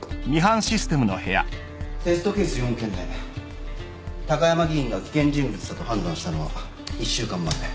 テストケース４件目高山議員が危険人物だと判断したのは１週間前。